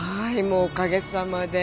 もうおかげさまで。